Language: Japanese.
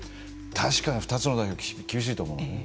確かに２つの代表は厳しいと思う。